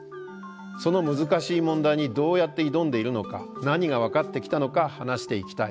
その難しい問題にどうやって挑んでいるのか何が分かってきたのか話していきたい。